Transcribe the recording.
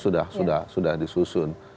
konsep sudah disusun